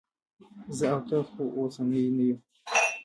زه او ته خو اوسني نه یو.